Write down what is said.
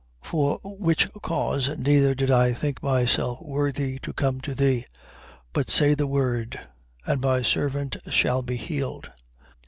7:7. For which cause neither did I think myself worthy to come to thee: but say the word, and my servant shall be healed.